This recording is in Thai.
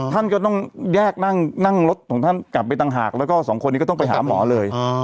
ท่านก็ต้องแยกนั่งรถของท่านกลับไปต่างหากแล้วก็สองคนนี้ก็ต้องไปหาหมอเลย